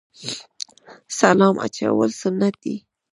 سلام اچول سنت دي